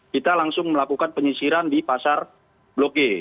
kita langsung melakukan penyisiran di pasar blok g